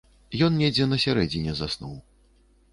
Ён недзе на сярэдзіне заснуў.